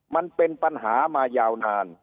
มันเป็นปัญหามายาวนาน